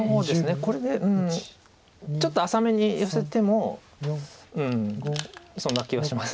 これでちょっと浅めにヨセてもうんそんな気がします。